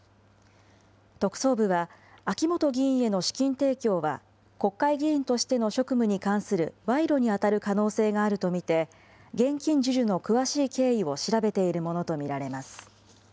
特捜部は、秋本議員への資金提供は、国会議員としての職務に関する賄賂に当たる可能性があると見て、現金授受の詳しい経緯を調べているものと見られます。